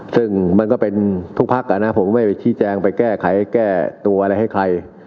ซึ่งมันก็เป็นทุกพักนะผมไม่ไปชี้แจงไปแก้ไขแก้ตัวอะไรให้ใคร